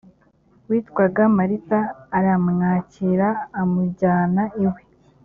witwaga marita aramwakira amujyana iwe